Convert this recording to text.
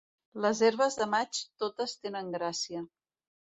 Les herbes de maig totes tenen gràcia.